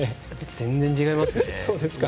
全然違いますね。